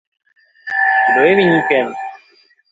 Kdo je viníkem?